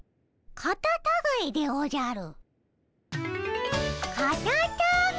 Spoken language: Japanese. カタタガエでおじゃる。